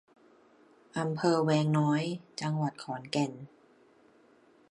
อำเภอแวงน้อย จังหวัดขอนแก่น